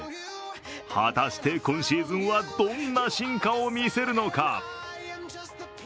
果たして今シーズンは、どんな進化を見せるのか。